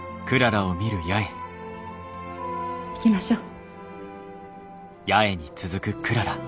行きましょう。